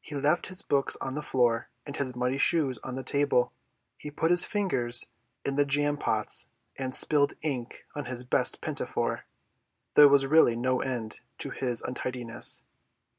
He left his books on the floor, and his muddy shoes on the table; he put his fingers in the jam pots, and spilled ink on his best pinafore; there was really no end to his untidiness.